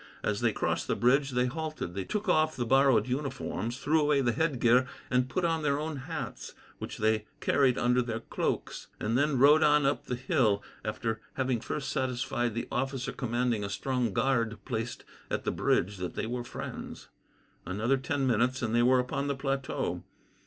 As they crossed the bridge, they halted, took off the borrowed uniforms, threw away the headgear and put on their own hats, which they carried under their cloaks, and then rode on up the hill, after having first satisfied the officer commanding a strong guard placed at the bridge that they were friends. Another ten minutes, and they were upon the plateau.